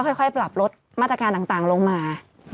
ค่อยปรับลดมาตรการต่างลงมา